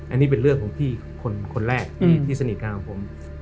อันนี้เป็นเรื่องของพี่คนแรกที่สนิทกันของผม